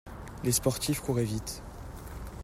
Les sportifs courraient vite.